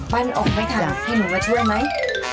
ปั้นออกไม่ทันให้หนูมาช่วยไหม